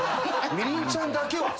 みりんちゃんだけは。